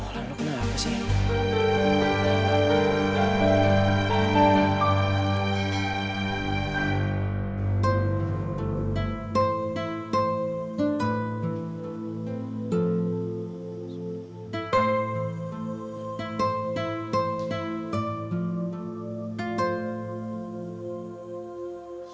lan lo kenapa sih